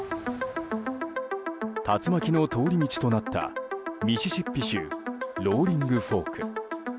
竜巻の通り道となったミシシッピ州ローリング・フォーク。